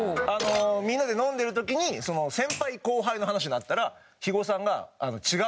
みんなで飲んでる時に先輩後輩の話になったら肥後さんが「違う」と。